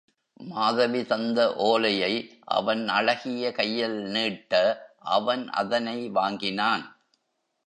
மாதவி தந்த ஓலையை அவன் அழகிய கையில் நீட்ட அவன் அதனை வாங்கினான்.